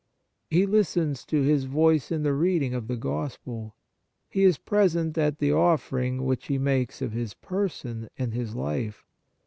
He listens to His voice in the read ing of the Gospel. He is present at the offering which He makes of His person and His life.